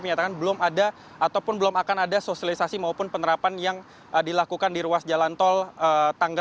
menyatakan belum ada ataupun belum akan ada sosialisasi maupun penerapan yang dilakukan di ruas jalan tol tangger